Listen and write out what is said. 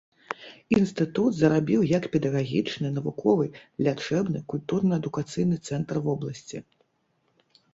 Інстытут зарабіў як педагагічны, навуковы, лячэбны, культурна-адукацыйны цэнтр вобласці.